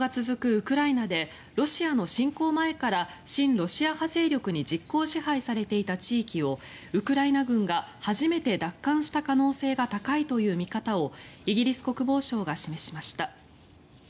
ウクライナでロシアの侵攻前から親ロシア派勢力に実効支配されていた地域をウクライナ軍が初めて奪還した可能性が高いという見方をイギリス国防省が示しました。